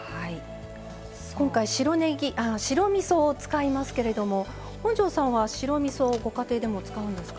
今回白みそを使いますけれども本上さんは白みそをご家庭でも使うんですか？